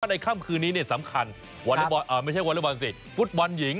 ในค่ำคืนนี้สำคัญไม่ใช่วอเล็กบอลสิฟุตบอลหญิง